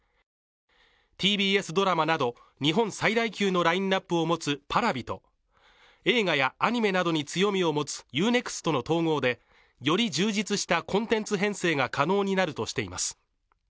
ＴＢＳドラマなど日本最大級のラインナップを持つＰａｒａｖｉと映画やアニメなどに強みを持つＵ−ＮＥＸＴの統合でより充実したコンテンツ編成が可能になるとしています。